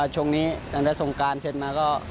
ช่วงนี้ตั้งแต่สงการเสร็จมาก็